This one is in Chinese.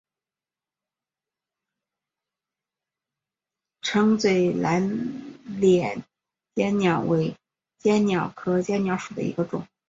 橙嘴蓝脸鲣鸟为鲣鸟科鲣鸟属的一种。